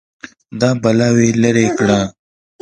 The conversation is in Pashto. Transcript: دا بلاوې لرې کړه